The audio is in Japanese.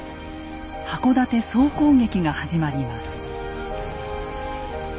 箱館総攻撃が始まります。